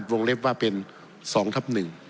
ส่วนดรมโลกเล็บว่าเป็น๒ทับ๑